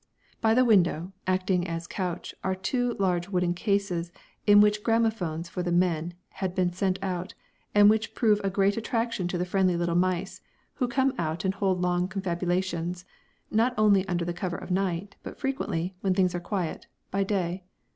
By the window, acting as a couch, are two large wooden cases in which gramophones for the men had been sent out, and which prove a great attraction to the friendly little mice who come out and hold long confabulations, not only under cover of night, but frequently, when things are quiet, by day.